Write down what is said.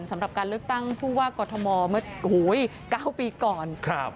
สำหรับการเลือกตั้งผู้ว่ากอทมเมื่อ๙ปีก่อน